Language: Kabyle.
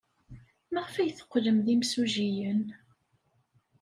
Maɣef ay teqqlem d imsujjiyen?